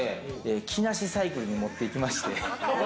木梨サイクルに持って行きまして。